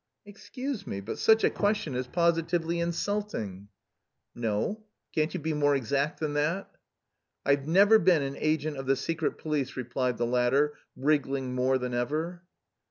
"Excuse me, but such a question is positively insulting." "No, can't you be more exact than that?" "I've never been an agent of the Secret Police," replied the latter, wriggling more than ever.